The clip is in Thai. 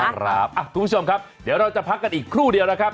คุณผู้ชมครับเดี๋ยวเราจะพักกันอีกครู่เดียวนะครับ